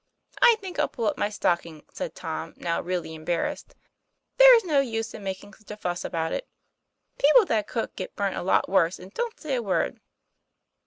" I think I'll pull up my stocking," said Tom, now really embarrassed. ' There's no use in making such a fuss about it. People that cook get burnt a lot worse, and don't say a word."